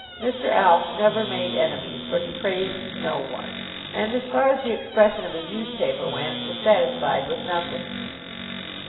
Mr. Alf never made enemies, for he praised no one, and, as far as the expression of his newspaper went, was satisfied with nothing.